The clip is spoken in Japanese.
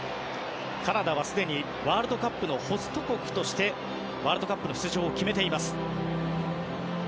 カナダは、すでにワールドカップのホスト国としてワールドカップの出場を決めています。